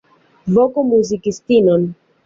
Voku muzikistinon.